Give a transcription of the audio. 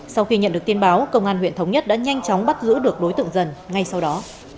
sau khi nhận được tin báo công an huyện thống nhất đã nhanh chóng bắt giữ được đối tượng dần ngay sau đó